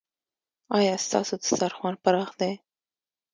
ایا ستاسو دسترخوان پراخ دی؟